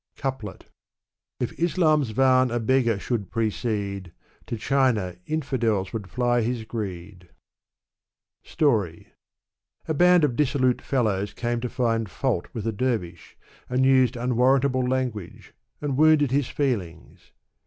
'' CoupieL if Islam's van a beggar should precede, To China inftdels would fly his greed. Story. A band of dissolute rdlows came to find fault with a dervish, and used unwarrantable language, and wounded his feelings.